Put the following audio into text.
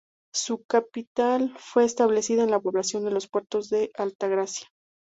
Su capital fue establecida en la población de Los Puertos de Altagracia.